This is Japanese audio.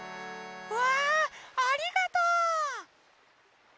うわありがとう！